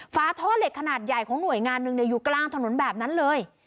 ฝาท่อเหล็กขนาดใหญ่ของหน่วยงานหนึ่งอยู่กลางถนนแบบนั้นเลย